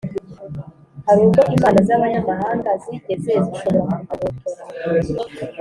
Hari ubwo imana z’abanyamahanga zigeze zishobora kugobotora